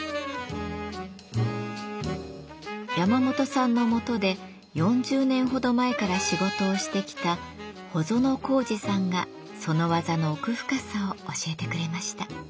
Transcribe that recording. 山本さんのもとで４０年ほど前から仕事をしてきた穂園光二さんがその技の奥深さを教えてくれました。